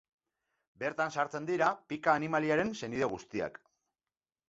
Bertan sartzen dira pika animaliaren senide guztiak.